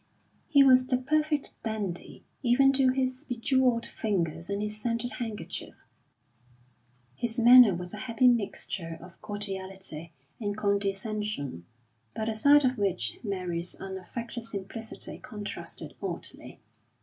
He was the perfect dandy, even to his bejewelled fingers and his scented handkerchief. His manner was a happy mixture of cordiality and condescension, by the side of which Mary's unaffected simplicity contrasted oddly.